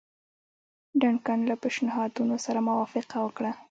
ډنکن له پېشنهادونو سره موافقه وکړه.